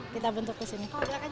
kita bentuk di sini